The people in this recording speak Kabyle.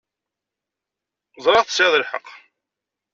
Ẓriɣ tesεiḍ lḥeqq.